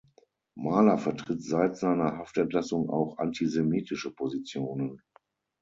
Mahler vertritt seit seiner Haftentlassung auch antisemitische Positionen.